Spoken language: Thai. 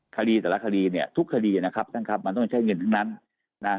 คดีแต่ละคดีเนี่ยทุกคดีนะครับท่านครับมันต้องใช้เงินทั้งนั้นนะ